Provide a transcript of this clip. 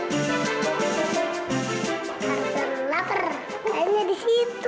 harusnya laper kayaknya di situ